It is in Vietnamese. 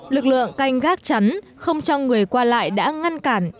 lực lượng canh gác chắn không cho người qua lại đã ngăn cản